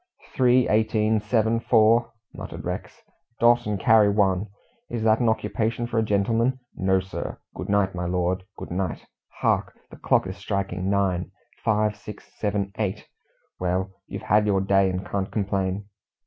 "Three, eighteen, seven, four," muttered Rex; "dot and carry one. Is that an occupation for a gentleman? No, sir. Good night, my lord, good night. Hark! The clock is striking nine; five, six, seven, eight! Well, you've had your day, and can't complain."